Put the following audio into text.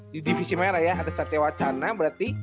di divisi merah ya ada satewacana berarti